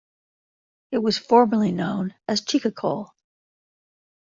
It was formerly known as "Chicacole.